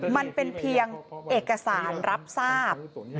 มันเป็นเพียงเอกสารรับทราบ